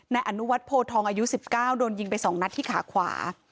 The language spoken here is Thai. ในอนุวัติโพทองอายุสิบเก้าโดนยิงไปสองนัดที่ขาขวา